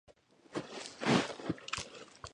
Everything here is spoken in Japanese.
私は男ですよ